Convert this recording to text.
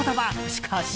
しかし。